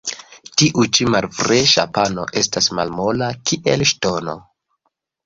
Tiu ĉi malfreŝa pano estas malmola, kiel ŝtono.